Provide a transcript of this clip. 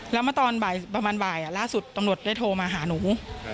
แล้วเมื่อตอนประมาณบ่ายล่าสุดตำรวจได้โทรมาหาหนู